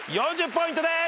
４０ポイントです。